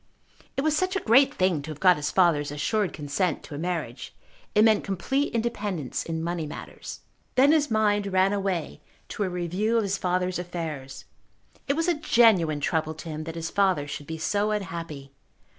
It was such a great thing to have got his father's assured consent to a marriage. It meant complete independence in money matters. Then his mind ran away to a review of his father's affairs. It was a genuine trouble to him that his father should be so unhappy.